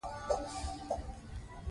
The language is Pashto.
یو له بله سره بېل سو په کلونو